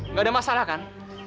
gak ada masalah kan